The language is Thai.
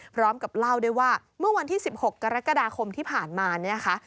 พร้อมกับเล่าได้ว่าเมื่อวันที่๑๖กรกฎาคมที่ผ่านมา